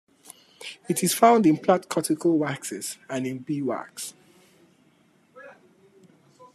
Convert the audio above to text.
It is found in plant cuticle waxes and in beeswax.